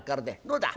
どうだ？